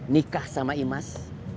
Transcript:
nikah sama imas